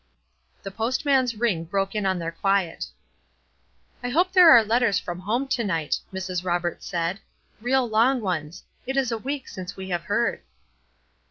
The postman's ring broke in on their quiet. "I hope there are letters from home to night," Mrs. Roberts said, "real long ones. It is a week since we have heard."